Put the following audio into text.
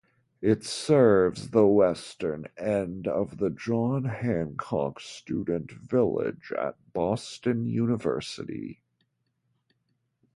It serves the western end of the John Hancock Student Village at Boston University.